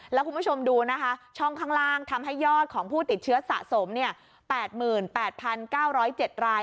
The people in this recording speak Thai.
แล้วคุณผู้ชมดูนะคะช่องข้างล่างทำให้ยอดของผู้ติดเชื้อสะสม๘๘๙๐๗ราย